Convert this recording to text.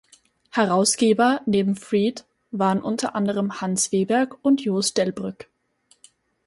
Herausgeber neben Fried waren unter anderem Hans Wehberg und Jost Delbrück.